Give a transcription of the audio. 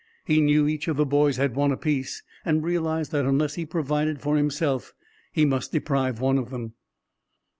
He knew each of the boys had one apiece, and realized that unless he provided for himself he must deprive one of them.